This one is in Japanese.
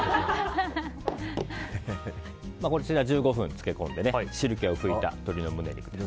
こちらが１５分漬け込んで汁気を拭いた鶏の胸肉です。